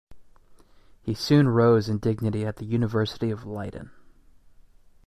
He soon rose in dignity at the University of Leiden.